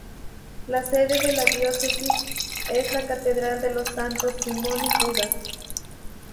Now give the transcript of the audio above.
La sede de la Diócesis es la Catedral de los Santos Simón y Judas.